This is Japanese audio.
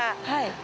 はい。